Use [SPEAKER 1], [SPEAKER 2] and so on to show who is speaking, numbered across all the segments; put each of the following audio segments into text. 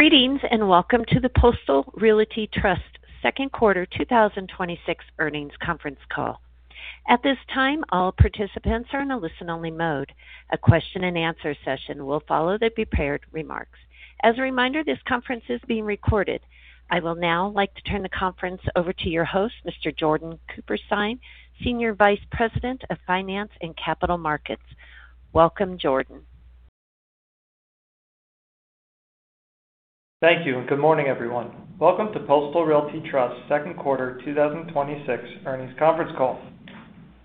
[SPEAKER 1] Greetings, welcome to the Postal Realty Trust Second Quarter 2026 Earnings Conference Call. At this time, all participants are in a listen-only mode. A question-and-answer session will follow the prepared remarks. As a reminder, this conference is being recorded. I will now like to turn the conference over to your host, Mr. Jordan Cooperstein, Senior Vice President of Finance and Capital Markets. Welcome, Jordan.
[SPEAKER 2] Thank you, good morning, everyone. Welcome to Postal Realty Trust second quarter 2026 earnings conference call.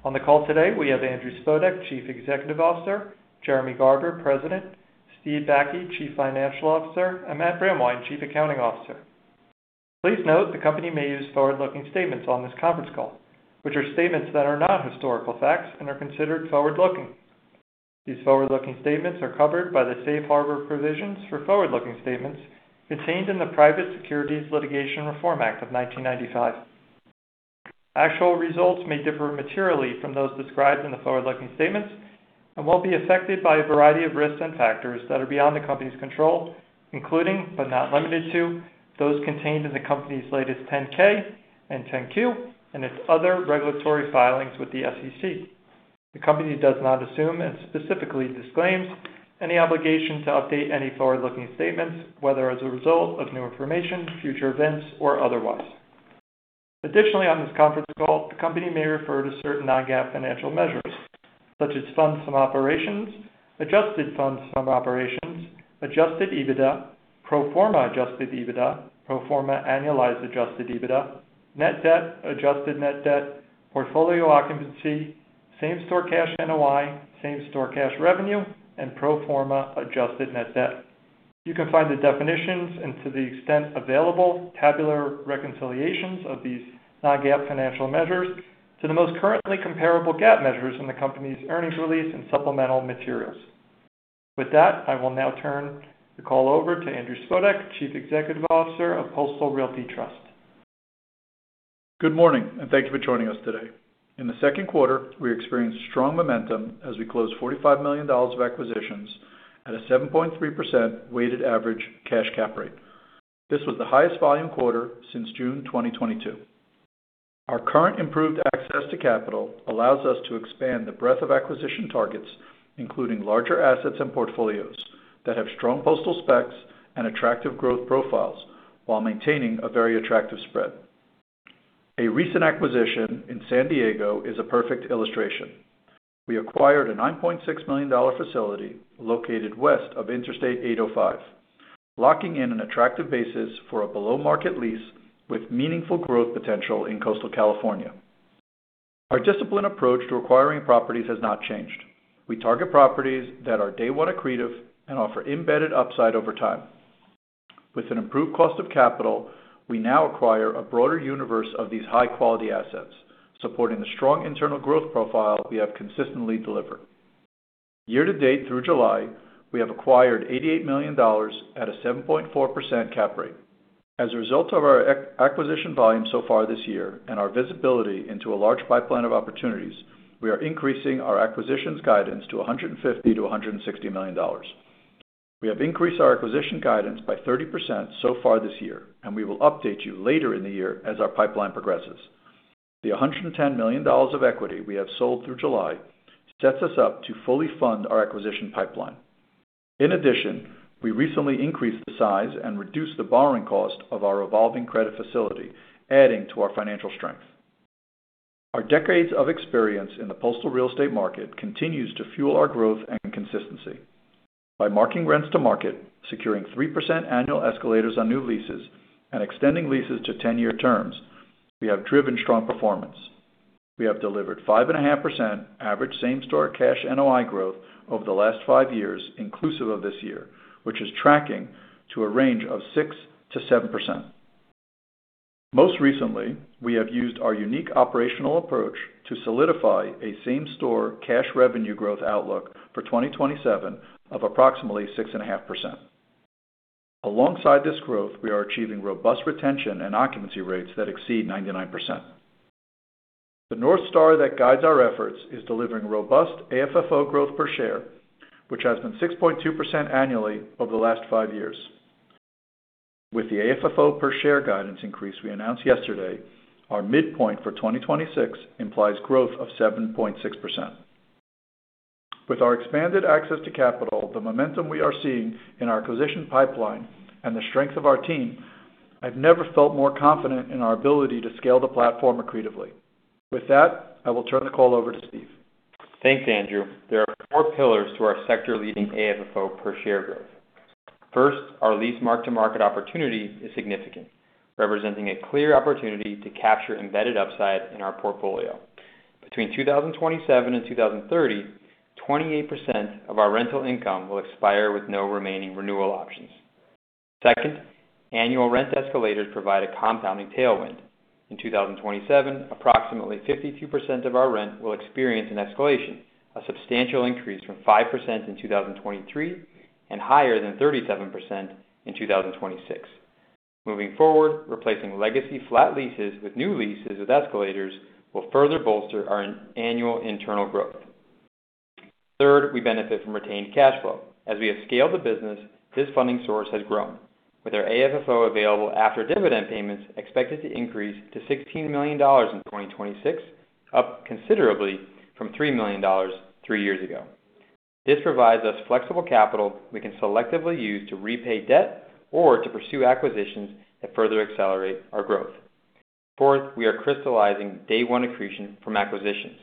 [SPEAKER 2] On the call today, we have Andrew Spodek, Chief Executive Officer; Jeremy Garber, President; Steve Bakke, Chief Financial Officer; and Matt Brandwein, Chief Accounting Officer. Please note, the company may use forward-looking statements on this conference call, which are statements that are not historical facts and are considered forward-looking. These forward-looking statements are covered by the safe harbor provisions for forward-looking statements contained in the Private Securities Litigation Reform Act of 1995. Actual results may differ materially from those described in the forward-looking statements and won't be affected by a variety of risks and factors that are beyond the company's control, including, but not limited to, those contained in the company's latest 10-K and 10-Q, and its other regulatory filings with the SEC. The company does not assume, specifically disclaims, any obligation to update any forward-looking statements, whether as a result of new information, future events, or otherwise. Additionally, on this conference call, the company may refer to certain non-GAAP financial measures, such as funds from operations, adjusted funds from operations, adjusted EBITDA, pro forma adjusted EBITDA, pro forma annualized adjusted EBITDA, net debt, adjusted net debt, portfolio occupancy, same store cash NOI, same store cash revenue, and pro forma adjusted net debt. You can find the definitions and, to the extent available, tabular reconciliations of these non-GAAP financial measures to the most currently comparable GAAP measures in the company's earnings release and supplemental materials. With that, I will now turn the call over to Andrew Spodek, Chief Executive Officer of Postal Realty Trust.
[SPEAKER 3] Good morning, and thank you for joining us today. In the second quarter, we experienced strong momentum as we closed $45 million of acquisitions at a 7.3% weighted average cash cap rate. This was the highest volume quarter since June 2022. Our current improved access to capital allows us to expand the breadth of acquisition targets, including larger assets and portfolios that have strong postal specs and attractive growth profiles while maintaining a very attractive spread. A recent acquisition in San Diego is a perfect illustration. We acquired a $9.6 million facility located west of Interstate 805, locking in an attractive basis for a below-market lease with meaningful growth potential in coastal California. Our disciplined approach to acquiring properties has not changed. We target properties that are day-one accretive and offer embedded upside over time. With an improved cost of capital, we now acquire a broader universe of these high-quality assets, supporting the strong internal growth profile we have consistently delivered. Year-to-date through July, we have acquired $88 million at a 7.4% cap rate. As a result of our acquisition volume so far this year and our visibility into a large pipeline of opportunities, we are increasing our acquisitions guidance to $150 million-$160 million. We have increased our acquisition guidance by 30% so far this year. We will update you later in the year as our pipeline progresses. The $110 million of equity we have sold through July sets us up to fully fund our acquisition pipeline. In addition, we recently increased the size and reduced the borrowing cost of our revolving credit facility, adding to our financial strength. Our decades of experience in the postal real estate market continues to fuel our growth and consistency. By marking rents to market, securing 3% annual escalators on new leases, and extending leases to 10-year terms, we have driven strong performance. We have delivered 5.5% average same-store cash NOI growth over the last five years inclusive of this year, which is tracking to a range of 6%-7%. Most recently, we have used our unique operational approach to solidify a same-store cash revenue growth outlook for 2027 of approximately 6.5%. Alongside this growth, we are achieving robust retention and occupancy rates that exceed 99%. The North Star that guides our efforts is delivering robust AFFO growth per share, which has been 6.2% annually over the last five years. With the AFFO per share guidance increase we announced yesterday, our midpoint for 2026 implies growth of 7.6%. With our expanded access to capital, the momentum we are seeing in our acquisition pipeline, and the strength of our team, I've never felt more confident in our ability to scale the platform accretively. With that, I will turn the call over to Steve.
[SPEAKER 4] Thanks, Andrew. There are four pillars to our sector-leading AFFO per share growth. First, our lease mark-to-market opportunity is significant, representing a clear opportunity to capture embedded upside in our portfolio. Between 2027 and 2030, 28% of our rental income will expire with no remaining renewal options. Second, annual rent escalators provide a compounding tailwind. In 2027, approximately 52% of our rent will experience an escalation, a substantial increase from 5% in 2023 and higher than 37% in 2026. Moving forward, replacing legacy flat leases with new leases with escalators will further bolster our annual internal growth. Third, we benefit from retained cash flow. As we have scaled the business, this funding source has grown. With our AFFO available after dividend payments expected to increase to $16 million in 2026, up considerably from $3 million three years ago. This provides us flexible capital we can selectively use to repay debt or to pursue acquisitions that further accelerate our growth. Fourth, we are crystallizing day one accretion from acquisitions.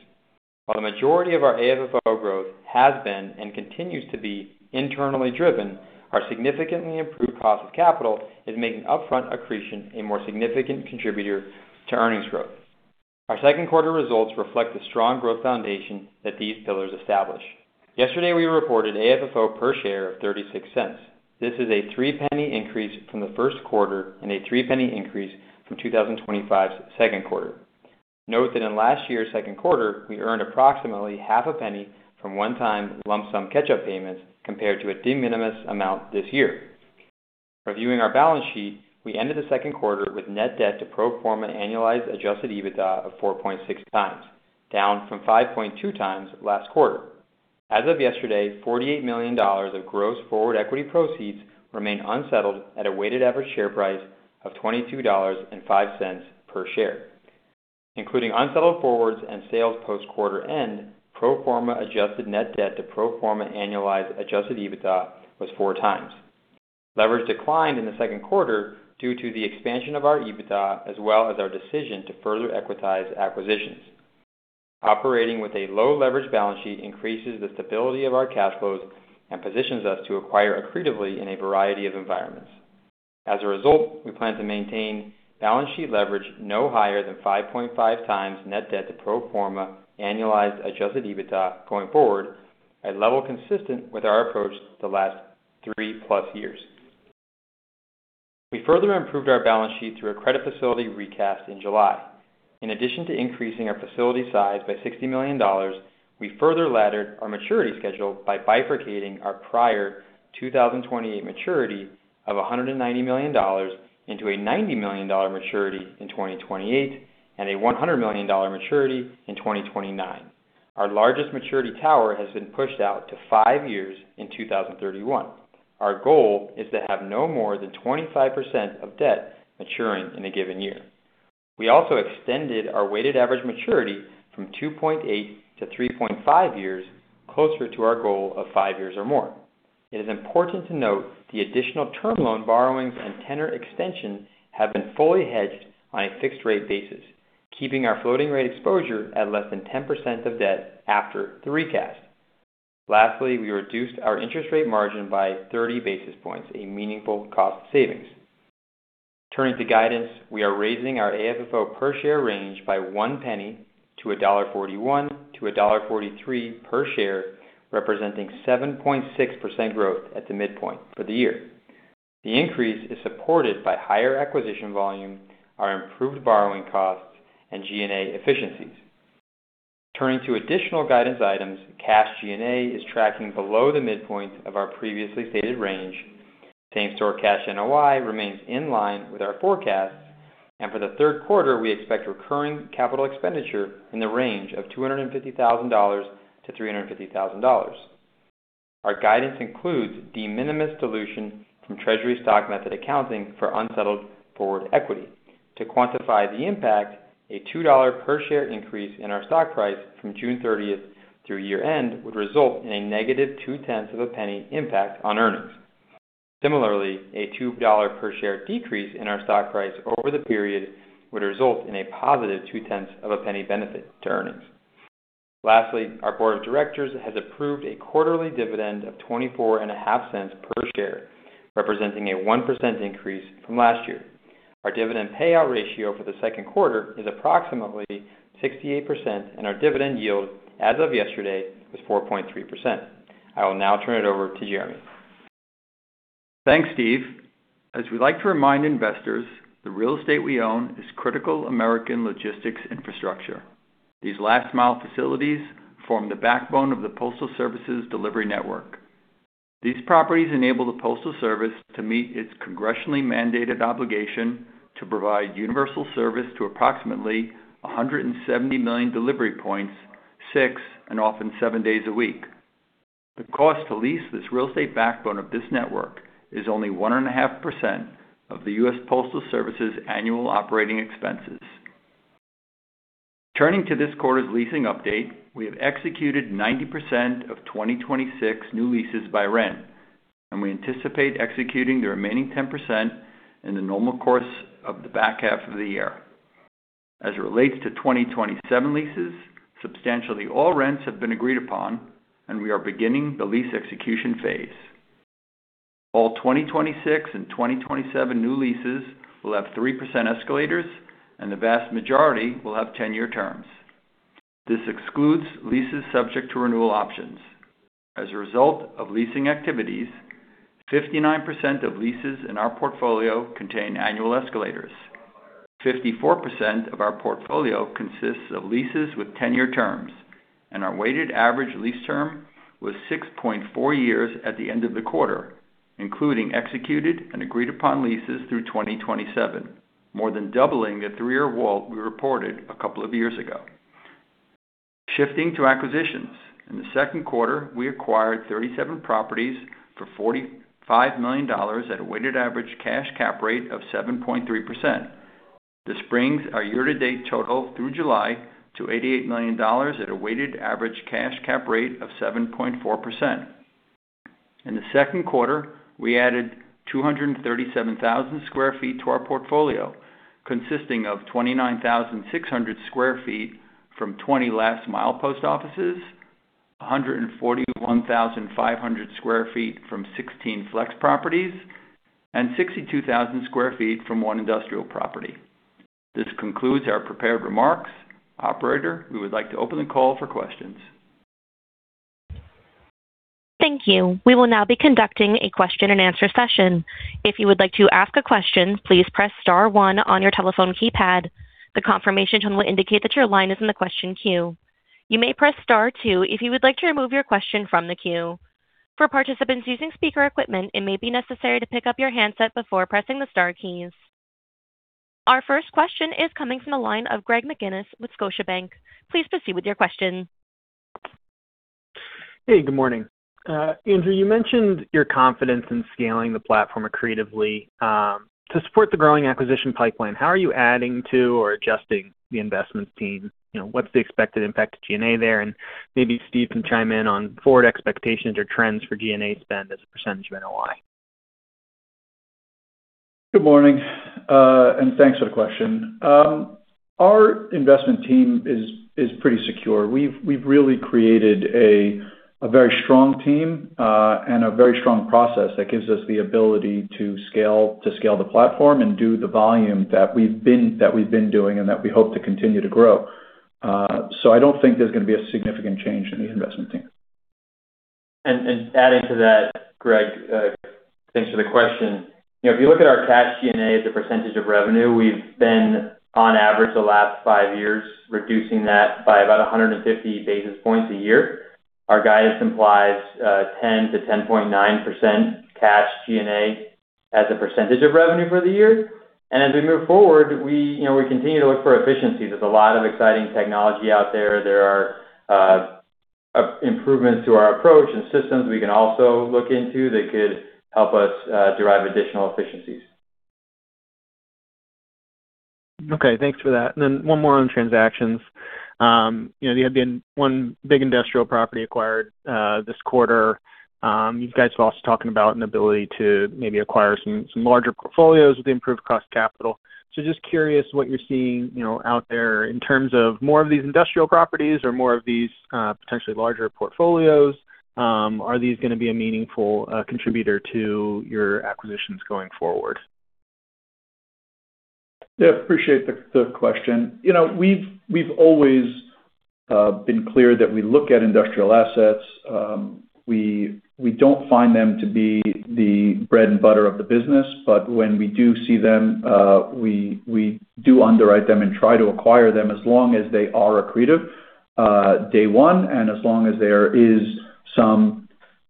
[SPEAKER 4] While the majority of our AFFO growth has been and continues to be internally driven, our significantly improved cost of capital is making upfront accretion a more significant contributor to earnings growth. Our second quarter results reflect the strong growth foundation that these pillars establish. Yesterday, we reported AFFO per share of $0.36. This is a $0.03 increase from the first quarter and a $0.03 increase from 2025's second quarter. Note that in last year's second quarter, we earned approximately half a penny from one-time lump sum catch-up payments compared to a de minimis amount this year. Reviewing our balance sheet, we ended the second quarter with net debt to pro forma annualized adjusted EBITDA of 4.6x, down from 5.2x last quarter. As of yesterday, $48 million of gross forward equity proceeds remain unsettled at a weighted average share price of $22.05 per share. Including unsettled forwards and sales post quarter-end, pro forma adjusted net debt to pro forma annualized adjusted EBITDA was 4x. Leverage declined in the second quarter due to the expansion of our EBITDA, as well as our decision to further equitize acquisitions. Operating with a low leverage balance sheet increases the stability of our cash flows and positions us to acquire accretively in a variety of environments. As a result, we plan to maintain balance sheet leverage no higher than 5.5x net debt to pro forma annualized adjusted EBITDA going forward, a level consistent with our approach the last +3 years. We further improved our balance sheet through a credit facility recast in July. In addition to increasing our facility size by $60 million, we further laddered our maturity schedule by bifurcating our prior 2028 maturity of $190 million into a $90 million maturity in 2028 and a $100 million maturity in 2029. Our largest maturity tower has been pushed out to five years in 2031. Our goal is to have no more than 25% of debt maturing in a given year. We also extended our weighted average maturity from 2.8 years-3.5 years, closer to our goal of five years or more. It is important to note the additional term loan borrowings and tenor extensions have been fully hedged on a fixed rate basis, keeping our floating rate exposure at less than 10% of debt after the recast. Lastly, we reduced our interest rate margin by 30 basis points, a meaningful cost savings. Turning to guidance, we are raising our AFFO per share range by $0.01 to $1.41-$1.43 per share, representing 7.6% growth at the midpoint for the year. The increase is supported by higher acquisition volume, our improved borrowing costs, and G&A efficiencies. Turning to additional guidance items, cash G&A is tracking below the midpoint of our previously stated range. Same-store cash NOI remains in line with our forecasts, and for the third quarter, we expect recurring capital expenditure in the range of $250,000-$350,000. Our guidance includes de minimis dilution from treasury stock method accounting for unsettled forward equity. To quantify the impact, a $2 per share increase in our stock price from June 30th through year end would result in a negative $0.002 impact on earnings. Similarly, a $2 per share decrease in our stock price over the period would result in a positive $0.002 benefit to earnings. Lastly, our board of directors has approved a quarterly dividend of $24.5, representing a 1% increase from last year. Our dividend payout ratio for the second quarter is approximately 68%, and our dividend yield as of yesterday was 4.3%. I will now turn it over to Jeremy.
[SPEAKER 5] Thanks, Steve. As we like to remind investors, the real estate we own is critical American logistics infrastructure. These last-mile facilities form the backbone of the Postal Service's delivery network. These properties enable the Postal Service to meet its congressionally mandated obligation to provide universal service to approximately 170 million delivery points, six and often seven days a week. The cost to lease this real estate backbone of this network is only 1.5% of the US Postal Service's annual operating expenses. Turning to this quarter's leasing update, we have executed 90% of 2026 new leases by rent, and we anticipate executing the remaining 10% in the normal course of the back half of the year. As it relates to 2027 leases, substantially all rents have been agreed upon, and we are beginning the lease execution phase. All 2026 and 2027 new leases will have 3% escalators. The vast majority will have 10-year terms. This excludes leases subject to renewal options. As a result of leasing activities, 59% of leases in our portfolio contain annual escalators. 54% of our portfolio consists of leases with 10-year terms, and our weighted average lease term was 6.4 years at the end of the quarter, including executed and agreed upon leases through 2027. More than doubling the three-year wall we reported a couple of years ago. Shifting to acquisitions. In the second quarter, we acquired 37 properties for $45 million at a weighted average cash cap rate of 7.3%. This brings our year-to-date total through July to $88 million at a weighted average cash cap rate of 7.4%. In the second quarter, we added 237,000sq ft to our portfolio, consisting of 29,600sq ft from 20 last mile post offices, 141,500sq ft from 16 flex properties, and 62,000sq ft from one industrial property. This concludes our prepared remarks. Operator, we would like to open the call for questions.
[SPEAKER 1] Thank you. We will now be conducting a question-and-answer session. If you would like to ask a question, please press star one on your telephone keypad. The confirmation tone will indicate that your line is in the question queue. You may press star two if you would like to remove your question from the queue. For participants using speaker equipment, it may be necessary to pick up your handset before pressing the star keys. Our first question is coming from the line of Greg McGinnis with Scotiabank. Please proceed with your question.
[SPEAKER 6] Hey, good morning. Andrew, you mentioned your confidence in scaling the platform accretively. To support the growing acquisition pipeline, how are you adding to or adjusting the investments team? What's the expected impact to G&A there? Maybe Steve can chime in on forward expectations or trends for G&A spend as a percentage of NOI.
[SPEAKER 3] Good morning, thanks for the question. Our investment team is pretty secure. We've really created a very strong team and a very strong process that gives us the ability to scale the platform and do the volume that we've been doing and that we hope to continue to grow. I don't think there's going to be a significant change in the investment team.
[SPEAKER 4] Adding to that, Greg, thanks for the question. If you look at our cash G&A as a percentage of revenue, we've been, on average, the last five years reducing that by about 150 basis points a year. Our guidance implies 10%-10.9% cash G&A as a percentage of revenue for the year. As we move forward, we continue to look for efficiencies. There's a lot of exciting technology out there. There are improvements to our approach and systems we can also look into that could help us derive additional efficiencies.
[SPEAKER 6] Okay, thanks for that. One more on transactions. You had the one big industrial property acquired this quarter. You guys were also talking about an ability to maybe acquire some larger portfolios with the improved cost capital. Just curious what you're seeing out there in terms of more of these industrial properties or more of these potentially larger portfolios. Are these going to be a meaningful contributor to your acquisitions going forward?
[SPEAKER 3] Yeah, appreciate the question. We've always been clear that we look at industrial assets. We don't find them to be the bread and butter of the business, but when we do see them, we do underwrite them and try to acquire them as long as they are accretive day one, and as long as there is some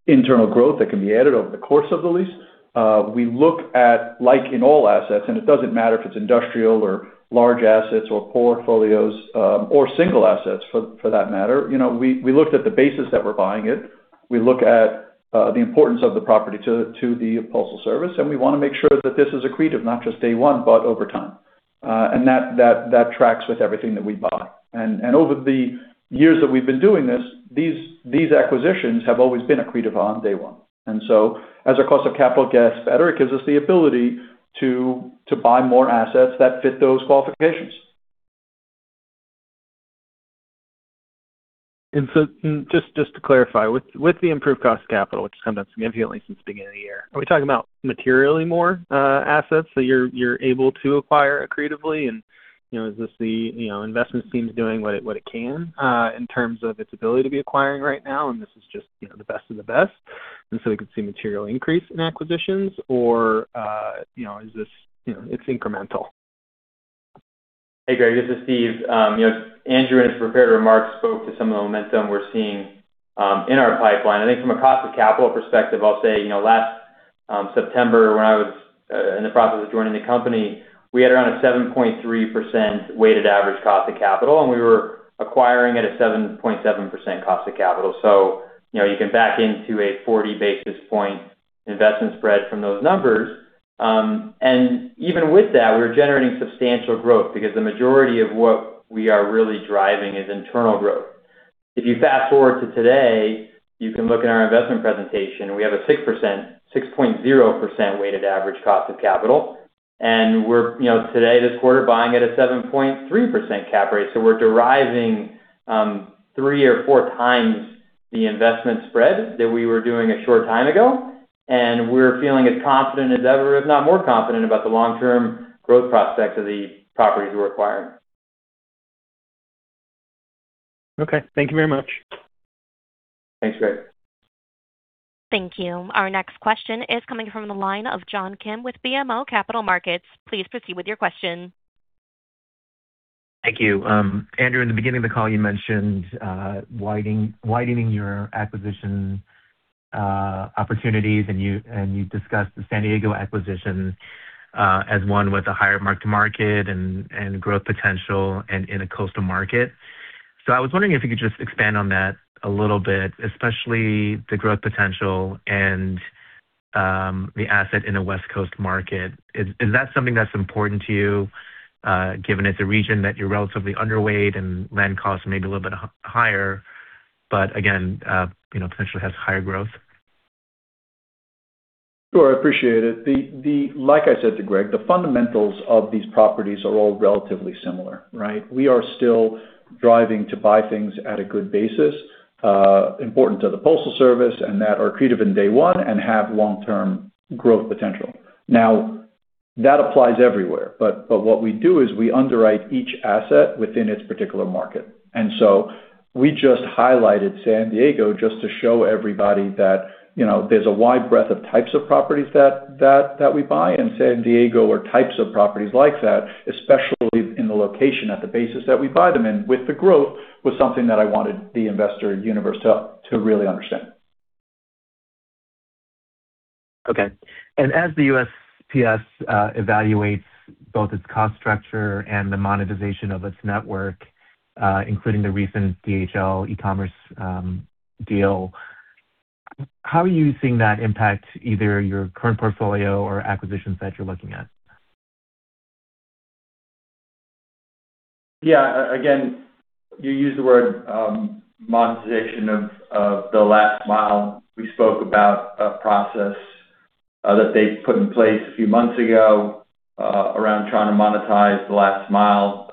[SPEAKER 3] internal growth that can be added over the course of the lease. We look at, like in all assets, it doesn't matter if it's industrial or large assets or portfolios, or single assets for that matter. We looked at the basis that we're buying it. We look at the importance of the property to the Postal Service, and we want to make sure that this is accretive, not just day one, but over time. That tracks with everything that we buy. Over the years that we've been doing this, these acquisitions have always been accretive on day one. As our cost of capital gets better, it gives us the ability to buy more assets that fit those qualifications.
[SPEAKER 6] Just to clarify, with the improved cost capital, which has come down significantly since the beginning of the year, are we talking about materially more assets that you're able to acquire accretively? Is this the investment team's doing what it can in terms of its ability to be acquiring right now, and this is just the best of the best, and so we could see material increase in acquisitions? Or is this incremental?
[SPEAKER 4] Hey, Greg, this is Steve. Andrew, in his prepared remarks, spoke to some of the momentum we're seeing in our pipeline. I think from a cost of capital perspective, I'll say, last September when I was in the process of joining the company, we had around a 7.3% weighted average cost of capital, and we were acquiring at a 7.7% cost of capital. You can back into a 40 basis point investment spread from those numbers. Even with that, we were generating substantial growth because the majority of what we are really driving is internal growth. If you fast-forward to today, you can look at our investment presentation. We have a 6.0% weighted average cost of capital, and we're today, this quarter, buying at a 7.3% cap rate. We're deriving three or four times the investment spread that we were doing a short time ago, and we're feeling as confident as ever, if not more confident about the long-term growth prospects of the properties we're acquiring.
[SPEAKER 6] Okay, thank you very much.
[SPEAKER 4] Thanks, Greg.
[SPEAKER 1] Thank you. Our next question is coming from the line of John Kim with BMO Capital Markets. Please proceed with your question.
[SPEAKER 7] Thank you. Andrew, in the beginning of the call, you mentioned widening your acquisition opportunities, and you discussed the San Diego acquisition as one with a higher mark-to-market and growth potential and in a coastal market. I was wondering if you could just expand on that a little bit, especially the growth potential and the asset in a West Coast market. Is that something that's important to you, given it's a region that you're relatively underweight and land costs may be a little bit higher, but again, potentially has higher growth?
[SPEAKER 3] Sure. I appreciate it. Like I said to Greg, the fundamentals of these properties are all relatively similar, right? We are still driving to buy things at a good basis, important to the Postal Service, and that are accretive in day one and have long-term growth potential. That applies everywhere, but what we do is we underwrite each asset within its particular market. We just highlighted San Diego just to show everybody that there's a wide breadth of types of properties that we buy, and San Diego, or types of properties like that, especially in the location at the basis that we buy them in with the growth, was something that I wanted the investor universe to really understand.
[SPEAKER 7] Okay. As the USPS evaluates both its cost structure and the monetization of its network, including the recent DHL e-commerce deal, how are you seeing that impact either your current portfolio or acquisitions that you're looking at?
[SPEAKER 5] Again, you used the word monetization of the last mile. We spoke about a process that they put in place a few months ago around trying to monetize the last mile.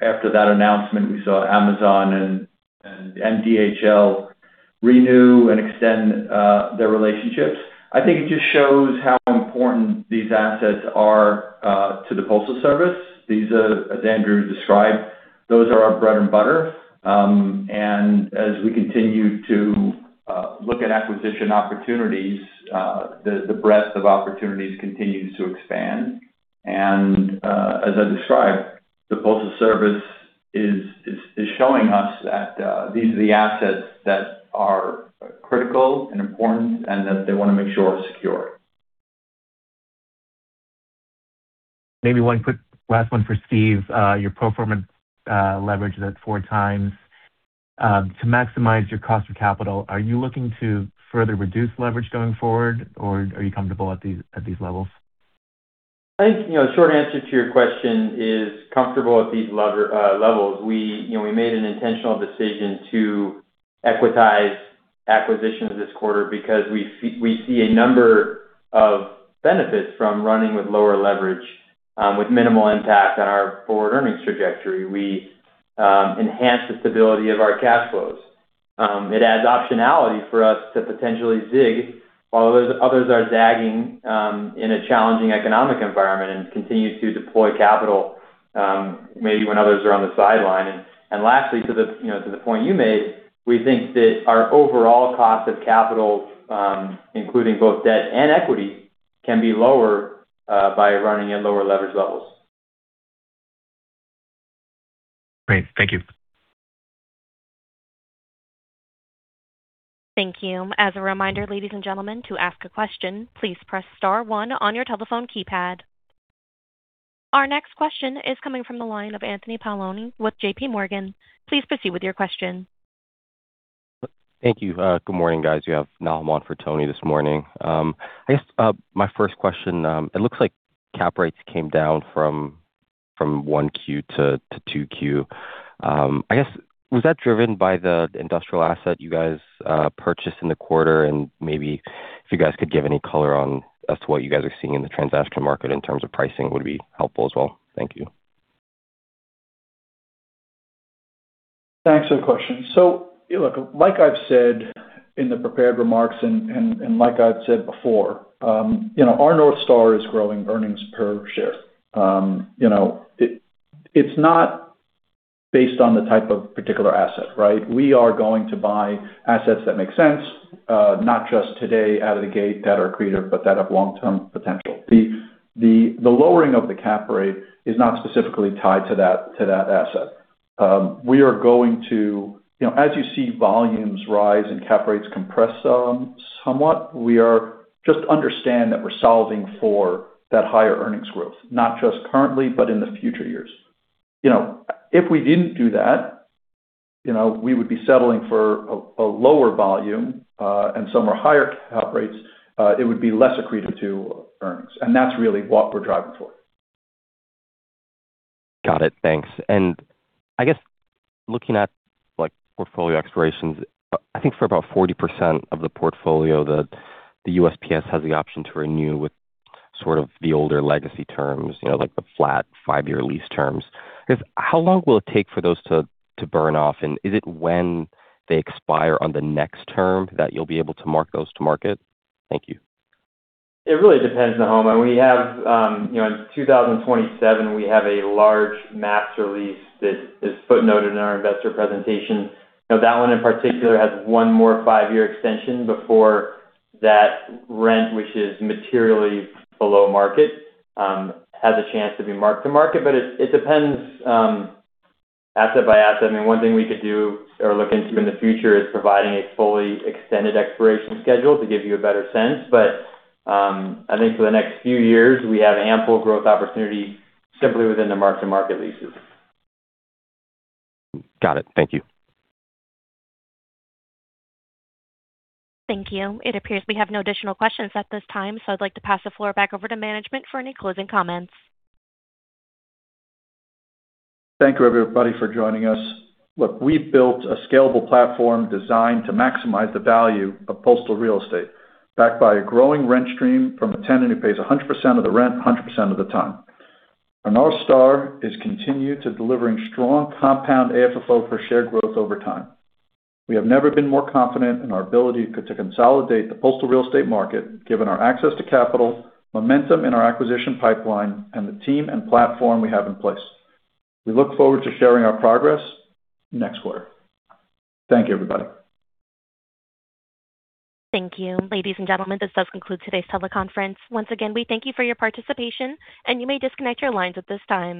[SPEAKER 5] After that announcement, we saw Amazon and DHL renew and extend their relationships. I think it just shows how important these assets are to the Postal Service. These, as Andrew described, those are our bread and butter. As we continue to look at acquisition opportunities, the breadth of opportunities continues to expand. As I described, the Postal Service is showing us that these are the assets that are critical and important and that they want to make sure are secure.
[SPEAKER 7] Maybe one quick last one for Steve. Your pro forma leverage is at 4x. To maximize your cost of capital, are you looking to further reduce leverage going forward, or are you comfortable at these levels?
[SPEAKER 4] I think the short answer to your question is comfortable at these levels. We made an intentional decision to equitize acquisitions this quarter because we see a number of benefits from running with lower leverage with minimal impact on our forward earnings trajectory. We enhance the stability of our cash flows. It adds optionality for us to potentially zig while others are zagging in a challenging economic environment and continue to deploy capital maybe when others are on the sideline. Lastly, to the point you made, we think that our overall cost of capital, including both debt and equity, can be lower by running at lower leverage levels.
[SPEAKER 7] Great. Thank you.
[SPEAKER 1] Thank you. As a reminder, ladies and gentlemen, to ask a question, please press star one on your telephone keypad. Our next question is coming from the line of Anthony Paolone with JPMorgan. Please proceed with your question.
[SPEAKER 8] Thank you. Good morning, guys. You have Nahom on for Tony this morning. My first question: it looks like cap rates came down from 1Q to 2Q. Was that driven by the industrial asset you guys purchased in the quarter? Maybe if you guys could give any color on as to what you guys are seeing in the transaction market in terms of pricing would be helpful as well. Thank you.
[SPEAKER 3] Thanks for the question. Look, like I've said in the prepared remarks and like I've said before, our North Star is growing earnings per share. It's not based on the type of particular asset, right? We are going to buy assets that make sense, not just today out of the gate that are accretive, but that have long-term potential. The lowering of the cap rate is not specifically tied to that asset. As you see volumes rise and cap rates compress somewhat, just understand that we're solving for that higher earnings growth, not just currently, but in the future years. If we didn't do that, we would be settling for a lower volume, and some are higher cap rates. It would be less accretive to earnings, and that's really what we're driving for.
[SPEAKER 8] Got it. Thanks. Looking at portfolio expirations, I think for about 40% of the portfolio that the USPS has the option to renew with sort of the older legacy terms, like the flat five-year lease terms. How long will it take for those to burn off? Is it when they expire on the next term that you'll be able to mark-to-market? Thank you.
[SPEAKER 4] It really depends, Nahom. In 2027, we have a large master lease that is footnoted in our investor presentation. That one in particular has one more five-year extension before that rent, which is materially below market, has a chance to be mark-to-market. It depends asset by asset. One thing we could do or look into in the future is providing a fully extended expiration schedule to give you a better sense. I think for the next few years, we have ample growth opportunity simply within the mark-to-market leases.
[SPEAKER 8] Got it. Thank you.
[SPEAKER 1] Thank you. It appears we have no additional questions at this time, I'd like to pass the floor back over to management for any closing comments.
[SPEAKER 3] Thank you, everybody, for joining us. Look, we've built a scalable platform designed to maximize the value of postal real estate, backed by a growing rent stream from a tenant who pays 100% of the rent 100% of the time. Our North Star is continued to delivering strong compound AFFO per share growth over time. We have never been more confident in our ability to consolidate the postal real estate market, given our access to capital, momentum in our acquisition pipeline, and the team and platform we have in place. We look forward to sharing our progress next quarter. Thank you, everybody.
[SPEAKER 1] Thank you. Ladies and gentlemen, this does conclude today's teleconference. Once again, we thank you for your participation, and you may disconnect your lines at this time.